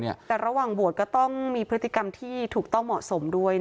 แต่ระหว่างบวชก็ต้องมีพฤติกรรมที่ถูกต้องเหมาะสมด้วย